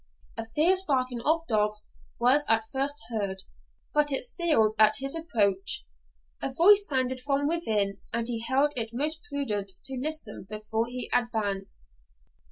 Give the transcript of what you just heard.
A fierce barking of dogs was at first heard, but it stilled at his approach. A voice sounded from within, and he held it most prudent to listen before he advanced.